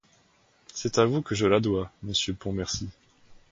C'est à vous que je la dois, monsieur Pontmercy.